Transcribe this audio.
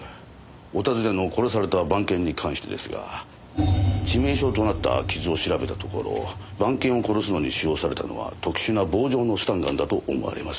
お尋ねの殺された番犬に関してですが致命傷となった傷を調べたところ番犬を殺すのに使用されたのは特殊な棒状のスタンガンだと思われます。